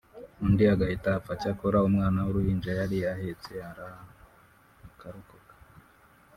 undi agahita apfa cyakora umwana w’uruhinja yari ahetse akarokoka